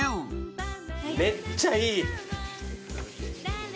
めっちゃいい。